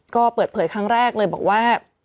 ก็เปิดเผยครั้งแรกเลยบอกว่า